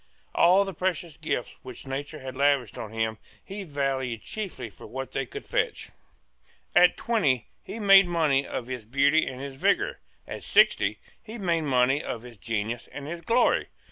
All the precious gifts which nature had lavished on him he valued chiefly for what they would fetch. At twenty he made money of his beauty and his vigour. At sixty he made money of his genius and his glory.